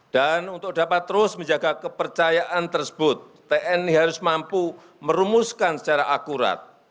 dan untuk dapat terus menjaga kepercayaan tersebut tni harus mampu merumuskan secara akurat